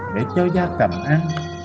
để cho gia tầm ăn